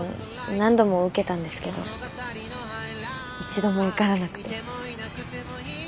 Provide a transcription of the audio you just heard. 何度も受けたんですけど一度も受からなくて。